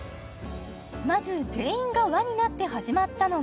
まず全員が輪になって始まったのは